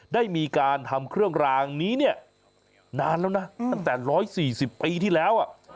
ได้มีการทำเครื่องรางนี้เนี่ยนานแล้วนะตั้งแต่๑๔๐ปีที่แล้ว